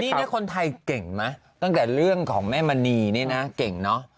นี่คนไทยเก่งไหมตั้งแต่เรื่องของแม่มณีนี่นะเก่งเนอะ